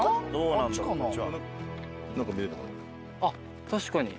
あっ確かに。